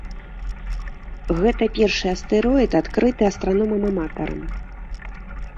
Гэта першы астэроід, адкрыты астраномам-аматарам.